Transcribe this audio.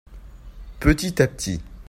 petit à petit.